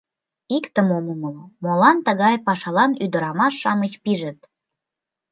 Иктым ом умыло: молан тыгай пашалан ӱдырамаш-шамыч пижыт?